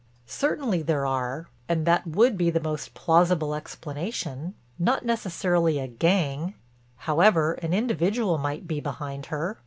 "Certainly there are. And that would be the most plausible explanation. Not necessarily a gang, however, an individual might be behind her.